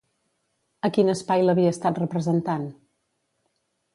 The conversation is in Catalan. A quin espai l'havia estat representant?